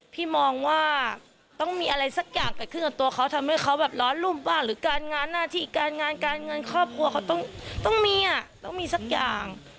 พี่มองว่าต้องมีอะไรสักอย่างเกิดขึ้นกับตัวเขาทำให้เขาแบบร้อนรุ่มบ้างหรือการงานหน้าที่การงานการเงินครอบครัวเขาต้องมีอ่ะต้องมีสักอย่าง